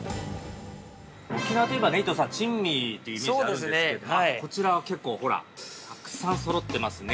◆沖縄といえばね、伊藤さん、珍味というイメージがあるんですけど、こちらは、結構ほら、たくさんそろってますね。